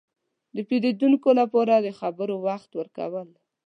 – د پېرودونکو لپاره د خبرو وخت ورکول.